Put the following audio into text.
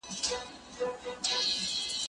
زه هره ورځ بازار ته ځم؟